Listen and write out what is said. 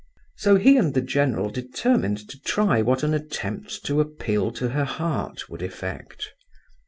So he and the general determined to try what an attempt to appeal to her heart would effect.